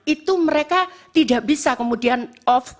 itu mereka tidak bisa kemudian off